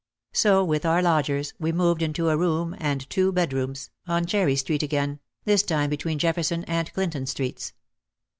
So, with our lodgers, we moved into a "room and two bedrooms," on Cherry Street again, this time between Jefferson and Clinton Streets.